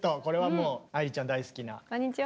これはもう愛理ちゃん大好きな。